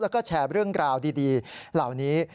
แล้วก็แชร์เรื่องราวดีเหล่านี้